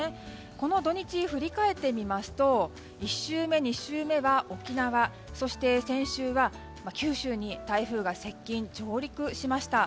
この土日を振り返ってみますと１週目、２週目は沖縄そして先週は九州に台風が接近・上陸しました。